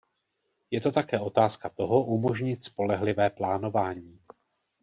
Je to také otázka toho, umožnit spolehlivé plánování.